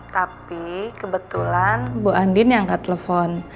tapi kebetulan bu andin yang angkat telepon